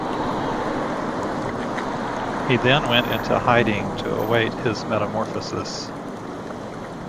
He then went into hiding to await his metamorphosis.